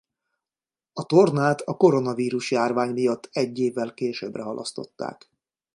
A tornát a koronavírus-járvány miatt egy évvel későbbre halasztották.